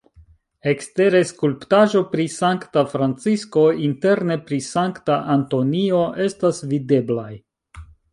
Ekstere skulptaĵo pri Sankta Francisko, interne pri Sankta Antonio estas videblaj.